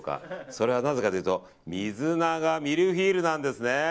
それはなぜかというと水菜がミルフィーユなんですね。